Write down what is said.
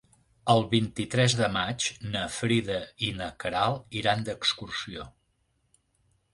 El vint-i-tres de maig na Frida i na Queralt iran d'excursió.